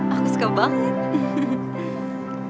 aku suka banget